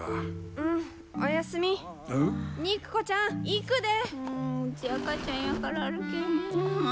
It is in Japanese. うんうち赤ちゃんやから歩けへん。